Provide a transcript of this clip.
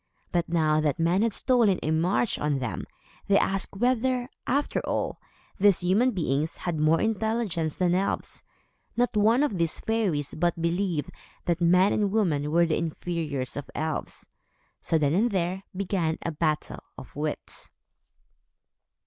But now that men had stolen a march on them, they asked whether, after all, these human beings had more intelligence than elves. Not one of these fairies but believed that men and women were the inferiors of elves. So, then and there, began a battle of wits.